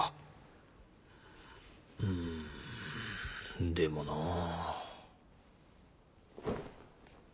うんでもなあ。